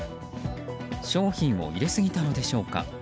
商品を入れすぎたのでしょうか。